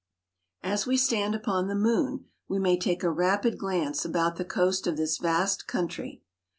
As we stand upon the moon we may take a rapid glance about the coast of this vast country.